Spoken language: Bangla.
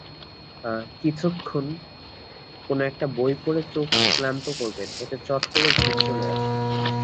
কিছুক্ষণ কোনোএকটা বই পড়ে চোখ ক্লান্ত করবেন-এতে চট করে ঘুম চলে আসে।